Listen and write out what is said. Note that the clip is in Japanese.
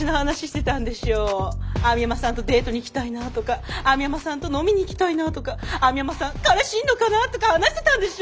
網浜さんとデートに行きたいなとか網浜さんと飲みに行きたいなとか網浜さん彼氏いんのかなとか話してたんでしょ。